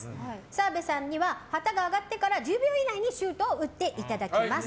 澤部さんには旗が上がってから１０秒以内にシュートを打っていただきます。